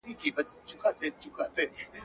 چي په یاد زموږ د ټولواک زموږ د پاچا یې